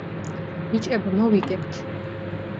ბიჭებო მოგიგებთ